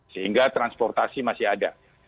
sehingga transportasi masih ada